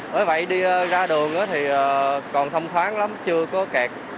bởi vậy đi ra đường thì còn thông thoáng lắm chưa có kẹt